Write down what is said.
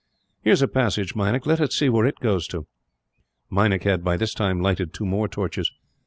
"Here is a passage, Meinik. Let us see where it goes to." Meinik had, by this time, lighted two more torches.